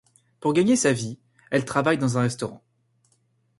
Pour gagner sa vie, elle travaille dans un restaurant.